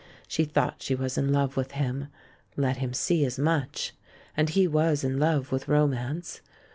She thought she was in love with him — let him see as much — and he was in love with romance.